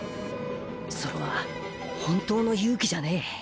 それは本当の勇気じゃねえ。